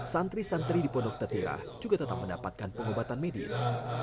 santri santri di pondok tetira juga tetap mendapatkan pengobatan medis